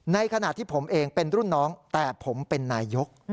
ในขณะที่ผมเองเป็นรุ่นน้องแต่ผมเป็นนายก